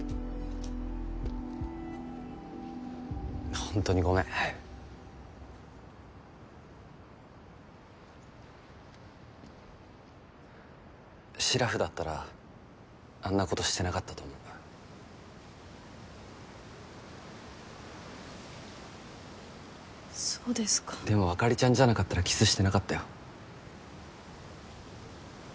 ホントにごめんシラフだったらあんなことしてなかったと思うそうですかでもあかりちゃんじゃなかったらキスしてなかったよ